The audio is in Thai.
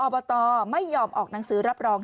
ตไม่ยอมออกหนังสือรับรอง